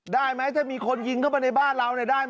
ได้ไหมถ้ามีคนยิงเข้าไปในบ้านเราเนี่ยได้ไหม